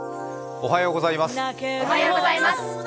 おはようございます。